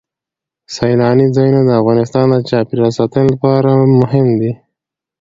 سیلاني ځایونه د افغانستان د چاپیریال ساتنې لپاره مهم دي.